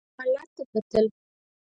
حالت ته کتل.